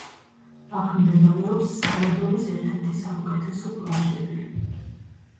აქ მდებარეობს სალვადორის ერთ-ერთი საუკეთესო პლაჟები.